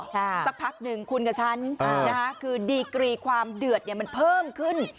สักพักหนึ่งคุณกับฉันนะคะคือดีกรีความเดือดเนี่ยมันเพิ่มขึ้น